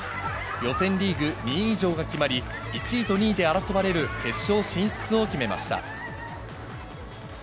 予選リーグ２位以上が決まり、１位と２位で争われる決勝進出を決めました。